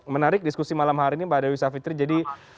menarik diskusi malam hari ini mbak dewi savitri jadi